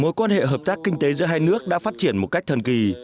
mối quan hệ hợp tác kinh tế giữa hai nước đã phát triển một cách thần kỳ